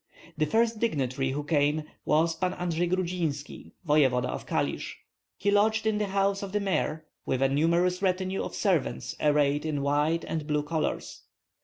The first dignitary who came was Pan Andrei Grudzinski, voevoda of Kalisk. He lodged in the house of the mayor, with a numerous retinue of servants arrayed in white and blue colors.